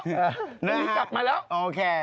พรุ่งนี้กลับมาแล้ว